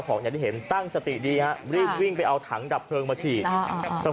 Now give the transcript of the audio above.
สงสัยไฟไหม้เจ้าของยังจะ